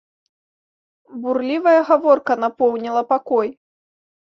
Бурлівая гаворка напоўніла пакой.